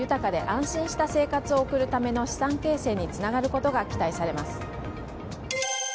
年を重ねても豊かで安心した生活を送るための資産形成につながることが期待されます。